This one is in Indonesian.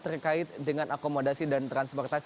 terkait dengan akomodasi dan transportasi